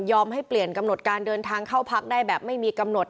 ให้เปลี่ยนกำหนดการเดินทางเข้าพักได้แบบไม่มีกำหนด